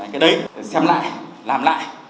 cái đấy xem lại làm lại